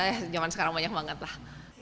eh zaman sekarang banyak banget lah